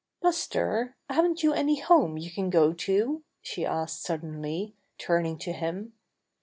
"Buster, haven't you any home you can go to?" she asked suddenly, turning to him.